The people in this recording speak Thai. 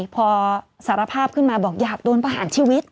พอสารภาพขึ้นมาบอกอยากโดนประหารชีวิต